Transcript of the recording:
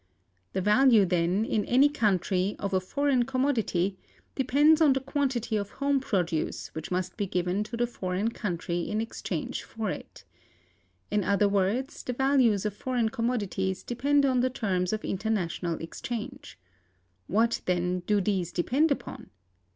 (268) The value, then, in any country, of a foreign commodity, depends on the quantity of home produce which must be given to the foreign country in exchange for it. In other words, the values of foreign commodities depend on the terms of international exchange. What, then, do these depend upon?